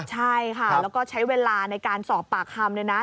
ใช่ค่ะแล้วก็ใช้เวลาในการสอบปากคำเนี่ยนะ